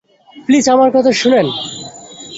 Please, আমার কথা শুনুন।